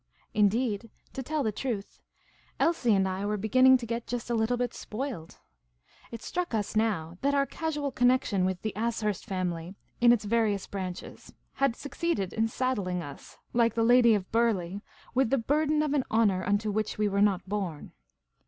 Indeed, to tell the truth, Elsie and I were beginning to get just a little bit spoiled. It struck us now that our casual connection with the Ashurst family in its various branches had suc ceeded in saddling us, like the lady of Burleigh, " with the burden of an honour unto which we were not born."